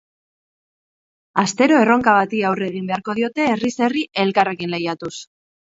Astero erronka bati aurre egin beharko diote herriz herri elkarrekin lehiatuz.